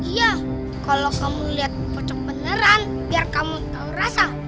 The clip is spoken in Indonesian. iya kalau kamu lihat pocok beneran biar kamu tahu rasa